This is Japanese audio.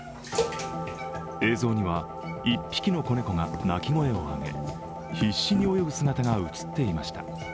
映像には１匹の子猫が鳴き声を上げ必死に泳ぐ姿が映っていました。